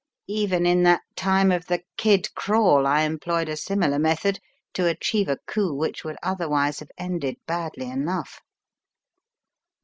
Even in that time of the 'Kid Crawl/ I employed a similar method to achieve a coup which would otherwise have ended badly enough."